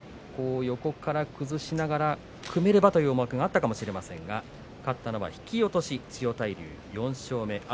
天空海としてはどこかでまた横から崩しながら組めればという思惑があったかもしれませんが勝ったのは引き落としで千代大龍４勝目。